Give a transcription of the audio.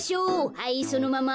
はいそのまま。